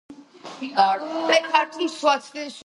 სამართლებრივი წიგნის ერთ-ერთი წყაროა სასამართლო პრაქტიკა.